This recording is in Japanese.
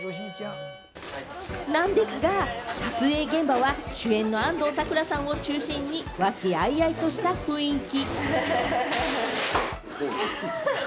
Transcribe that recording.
なんですが、撮影現場は主演の安藤サクラさんを中心に和気あいあいとした雰囲気。